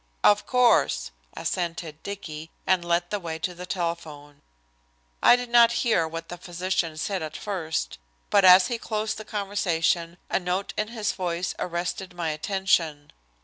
"Of course," assented Dicky, and led the way to the telephone. I did not hear what the physician said at first, but as he closed the conversation a note in his voice arrested my attention.